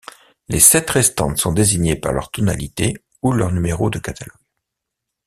Les sept restantes sont désignées par leur tonalité ou leur numéro de catalogue.